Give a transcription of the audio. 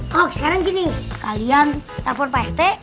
kok sekarang gini kalian telepon pak rt